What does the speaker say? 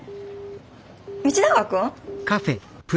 道永君！？